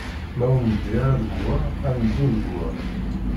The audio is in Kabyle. Ma ur neddi ara deg wa, ad neddu deg wa.